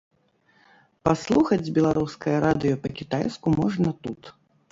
Паслухаць беларускае радыё па-кітайску можна тут.